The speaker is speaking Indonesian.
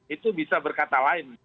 itu bisa berkata lain